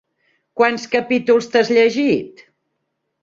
Quants capítols t'has llegit?